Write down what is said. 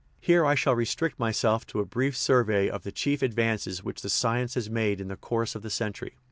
Here I shall restrict myself to a brief survey of the chief advances which the science has made in the course of the century.